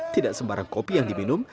tidak sembarang kopi yang diminum